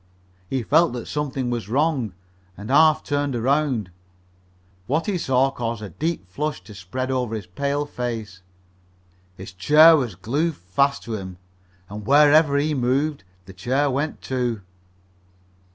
He felt that something was wrong, and half turned around. What he saw caused a deep flush to spread over his pale face. His chair was glued fast to him, and wherever he moved the chair went too!